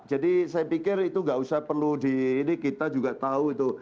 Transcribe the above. jadi saya pikir itu tidak usah perlu di ini kita juga tahu itu